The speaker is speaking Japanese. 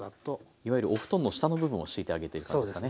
いわゆるお布団の下の部分を敷いてあげている感じですかね。